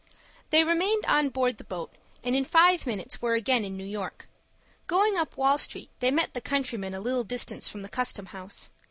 They remained on board the boat, and in five minutes were again in New York. Going up Wall Street, they met the countryman a little distance from the Custom House.